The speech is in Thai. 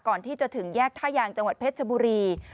ก่อนที่จะถึงแยกท่ายางจังหวัดเพชรชบุรี